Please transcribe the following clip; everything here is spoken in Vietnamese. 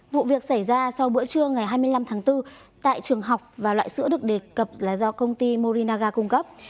vụ việc xảy ra sau bữa trưa ngày hai mươi năm tháng bốn tại trường học và loại sữa được đề cập là do công ty morinaga cung cấp